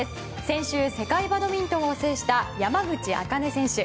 先週、世界バドミントンを制した山口茜選手。